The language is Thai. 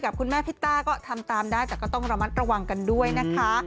คุณแม่พิตต้าก็ทำตามได้แต่ก็ต้องระมัดระวังกันด้วยนะคะ